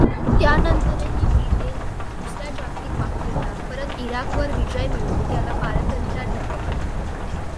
त्यानंतरही ब्रिटनने दुसऱ्या जागतिक महायुद्धात परत इराकवर विजय मिळवून त्याला पारतंत्र्यात ढकलले.